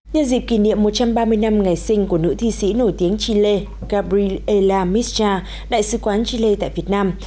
nhân dịp kỷ niệm một trăm ba mươi năm ngày sinh của nữ thi sĩ nổi tiếng chile gabriela mischa đại sứ quán chile tại việt nam